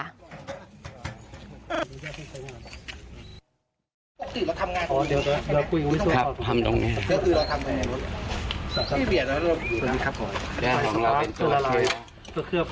ต้องกินแล้วทำงานอ๋อเดี๋ยวต้องครับทำตรงนี้